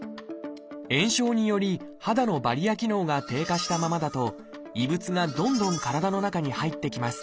炎症により肌のバリア機能が低下したままだと異物がどんどん体の中に入ってきます。